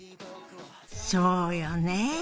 そうよね。